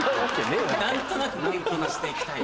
なんとなく元気にしていきたい？